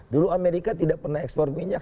dulu amerika tidak pernah ekspor minyak